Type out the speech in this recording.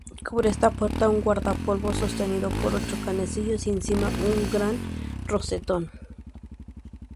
Cubre esta puerta un guardapolvo sostenido por ocho canecillos y encima un gran rosetón.